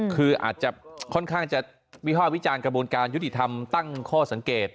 คืออาจจะค่อนข้างจะวิภาควิจารณ์กระบวนการยุติธรรมตั้งข้อสังเกต